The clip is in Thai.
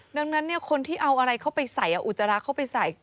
ดังนั้นคนที่เอาอะไรเข้าไปใส่อุจจาระเข้าไปใส่